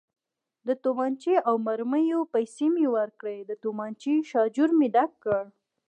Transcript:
د تومانچې او مرمیو پیسې مې ورکړې، د تومانچې شاجور مې ډک کړ.